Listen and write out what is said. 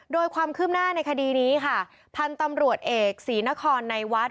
โดยความคืบหน้าในคดีนี้ค่ะพันธุ์ตำรวจเอกศรีนครในวัด